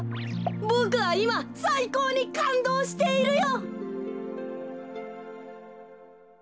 ボクはいまさいこうにかんどうしているよ！